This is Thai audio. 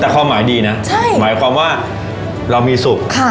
แต่ข้อหมายดีนะใช่หมายความว่าเรามีสุขค่ะ